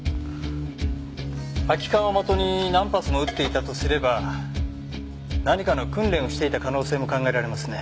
空き缶を的に何発も撃っていたとすれば何かの訓練をしていた可能性も考えられますね。